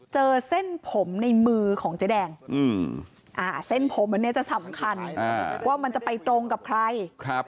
เส้นผมในมือของเจ๊แดงเส้นผมอันนี้จะสำคัญว่ามันจะไปตรงกับใคร